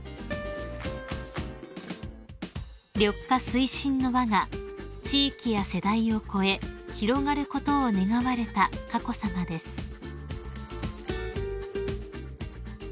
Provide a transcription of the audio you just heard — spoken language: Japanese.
［緑化推進の輪が地域や世代を超え広がることを願われた佳子さまです］